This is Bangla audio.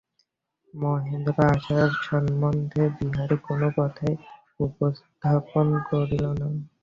মহেন্দ্র-আশার সম্বন্ধে বিহারী কোনো কথাই উত্থাপন করিল না।